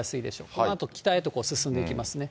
このあと北へと進んできますね。